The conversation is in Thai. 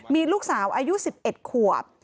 มีลูกสาวอายุ๑๑ขวบ